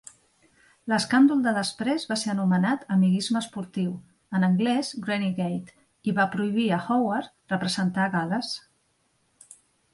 L'escàndol de després va ser anomenat "amiguisme esportiu" (en anglès "grannygate") i van prohibir a Howard representar Gal·les.